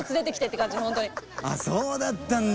あそうだったんだ。